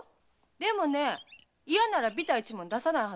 でもねイヤならビタ一文出さないはずよ。